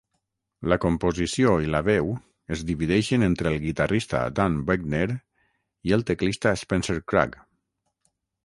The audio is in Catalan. La composició i la veu es divideixen entre el guitarrista Dan Boeckner i el teclista Spencer Krug.